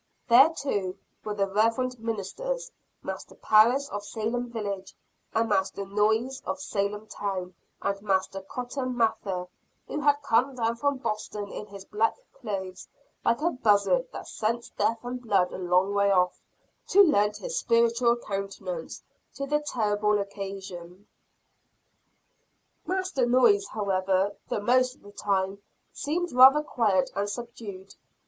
There, too, were the reverend ministers, Master Parris of Salem village, and Master Noyes of Salem town, and Master Cotton Mather, who had come down from Boston in his black clothes, like a buzzard that scents death and blood a long way off, to lend his spiritual countenance to the terrible occasion. Master Noyes, however, the most of the time, seemed rather quiet and subdued.